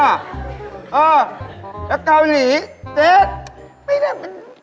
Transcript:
อ่ะและเกาหลีเจ๊ไม่ได้